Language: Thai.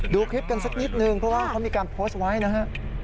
ดูคลิปกันสักนิดนึงเพราะว่าเขามีการโพสต์ไว้นะฮะ